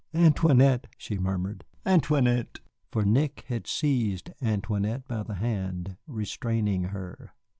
"Antoinette," she murmured, "Antoinette!" For Nick had seized Antoinette by the hand, restraining her.